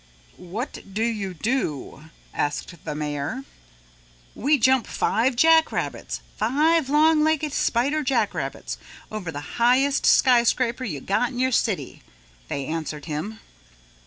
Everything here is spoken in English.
"What do you do?" asked the mayor. "We jump five jack rabbits, five long legged spider jack rabbits over the highest skyscraper you got in your city," they answered him.